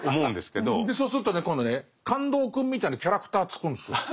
そうするとね今度ね「感動くん」みたいなキャラクター作るんですよ。